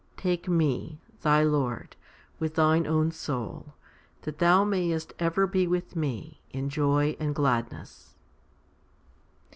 Take Me, thy Lord, with thine own soul, that thou mayest ever be with Me in joy and gladness."